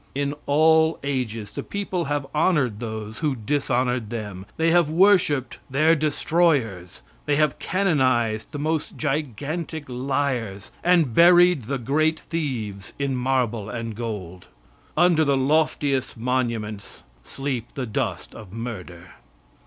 In all ages the people have honored those who dishonored them. The have worshiped their destroyers they have canonized the most gigantic liars, and buried the great thieves in marble and gold. Under the loftiest monuments sleeps the dust of murder.